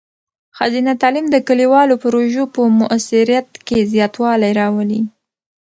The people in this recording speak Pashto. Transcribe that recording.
ښځینه تعلیم د کلیوالو پروژو په مؤثریت کې زیاتوالی راولي.